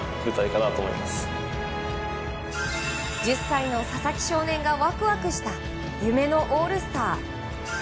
１０歳の佐々木少年がワクワクした夢のオールスター。